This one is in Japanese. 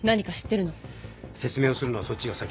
説明をするのはそっちが先だ。